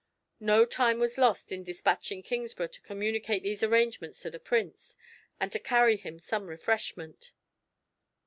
No time was lost in dispatching Kingsburgh to communicate these arrangements to the Prince, and to carry him some refreshment.